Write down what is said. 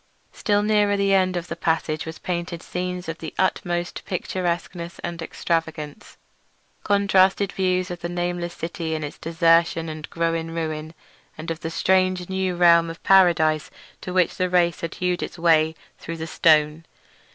Still nearer the end of the passage were painted scenes of the utmost picturesqueness and extravagance; contrasted views of the nameless city in its desertion and growing ruin, and of the strange new realm or paradise to which the race had hewed its way through the stone.